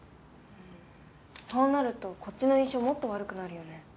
そうなるとこっちの印象もっと悪くなるよね。